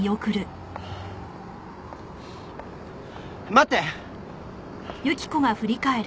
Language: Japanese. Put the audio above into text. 待って！